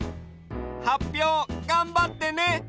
はっぴょうがんばってね！